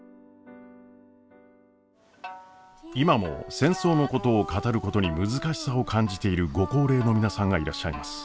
今も戦争のことを語ることに難しさを感じているご高齢の皆さんがいらっしゃいます。